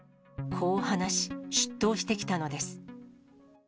こう話し、出頭してきたのです。